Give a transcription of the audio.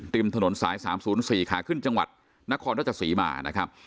ติมถนนสายสามศูนย์สี่ขาขึ้นจังหวัดนครรภสีมานะครับ